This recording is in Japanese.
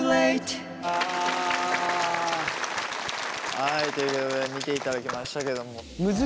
はいということで見ていただきましたけども。